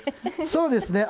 そうですね。